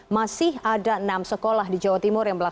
masih ada enam sekolah di jawa timur yang berlaku